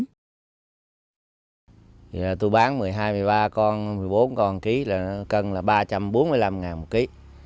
thì là tôi bán một mươi hai một mươi ba con một mươi bốn con một kg là cân là ba trăm bốn mươi năm ngàn một kg